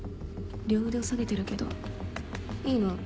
両腕を下げてるけどいいの？